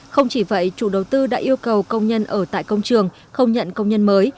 không chỉ vậy chủ đầu tư đã yêu cầu công nhân ở tại công trường không nhận công nhân mới